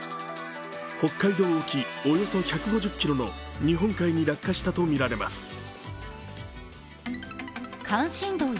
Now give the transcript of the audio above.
北海道沖１５０ｋｍの日本海に落下したとみられます。